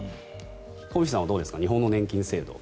東輝さんはどうですか日本の年金制度。